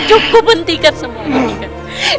cukup hentikan semua ini